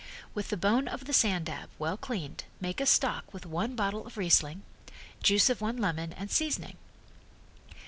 With the bone of the sand dab, well cleaned, make a stock with one bottle of Riesling, juice of one lemon and seasoning.